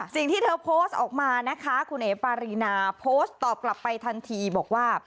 สิ่งที่เธอโพสต์ออกมานะคะคุณเอ๋ปารีนาโพสต์ตอบกลับไปทันทีบอกว่า